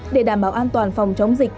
để đảm bảo an toàn phòng chống dịch